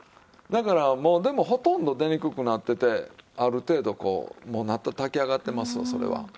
だからもうでもほとんど出にくくなっててある程度こうもうなった炊き上がってますわそれは。